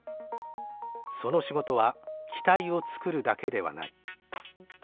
その仕事は機体を作るだけではない。